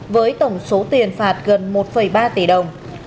với tổng số tiền phạt gần một ba tỷ đồng